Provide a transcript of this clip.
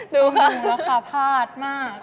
ดูค่ะฮือราคาพาดมาก